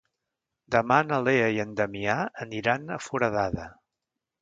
Demà na Lea i en Damià aniran a Foradada.